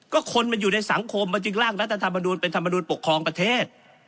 ก็คนมันอยู่ในสังคมมันจึงร่างรัฐธรรมนูลเป็นธรรมนูลปกครองประเทศ